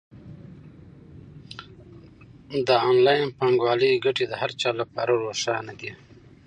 د انلاین بانکوالۍ ګټې د هر چا لپاره روښانه دي.